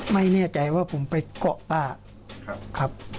ไม่แน่ใจว่าผมไปเกาะป้าครับ